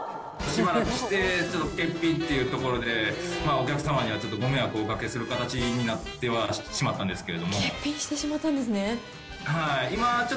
しばらく欠品ということで、お客様にはちょっとご迷惑をおかけする形にはなってしまったんで欠品してしまったんですね。